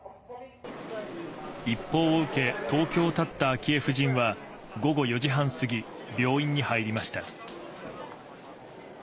一報を受け、東京をたった昭恵夫人は、午後４時半過ぎ、病院に入りました。